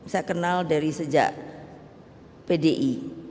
saya kenal dari sejak pdi